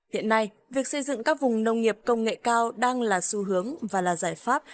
hiện nay việc xây dựng các vùng nông nghiệp công nghệ cao đang là xu hướng và là giải pháp